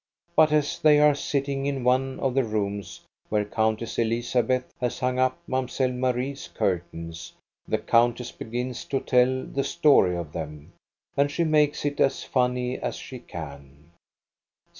But as they are sitting in one of the rooms where Countess Elizabeth has hung up Mamselle Marie's curtains, the countess begins to tell the story of them. And she makes it as funny as she can.